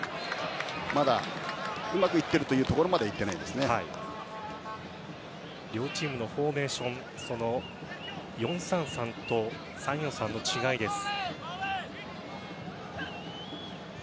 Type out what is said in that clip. まだ、うまくいっているというところまでは両チームのフォーメーション４−３−３と３−４−３の違いです。